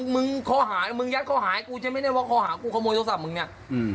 มึงยัดข้อหายกูใช่มั้ยเนี่ยว่าข้อหายกูขโมยโทรศัพท์มึงเนี่ย